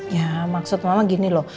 ya maksud mama gini loh